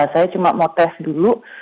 saya cuma mau tes dulu